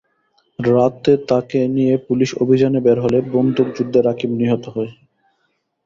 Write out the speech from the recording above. রাতে তাঁকে নিয়ে পুলিশ অভিযানে বের হলে বন্দুকযুদ্ধে রাকিব নিহত হয়।